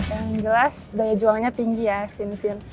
yang jelas daya juangnya tinggi ya sinti